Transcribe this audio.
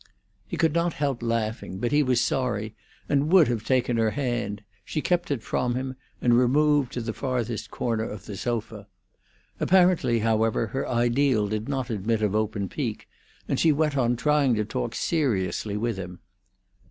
He could not help laughing, but he was sorry, and would have taken her hand; she kept it from him, and removed to the farthest corner of the sofa. Apparently, however, her ideal did not admit of open pique, and she went on trying to talk seriously with him.